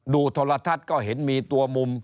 โทรทัศน์ก็เห็นมีตัวมุม